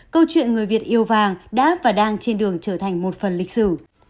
câu chuyện người việt yêu vàng đã và đang trên đường trở thành một phần lịch sử